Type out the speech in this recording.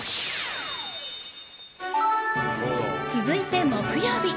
続いて、木曜日。